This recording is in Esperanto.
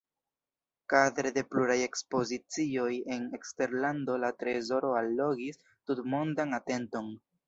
Kadre de pluraj ekspozicioj en eksterlando la trezoro allogis tutmondan atenton.